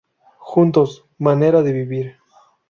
Juntos "manera de vivir".